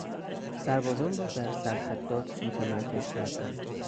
سربازان را در سرحدات متمرکز کردن